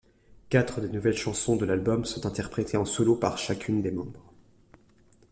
Quatre des nouvelles chansons de l'album sont interprétées en solo par chacune des membres.